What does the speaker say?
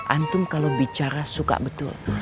antum kalau bicara suka betul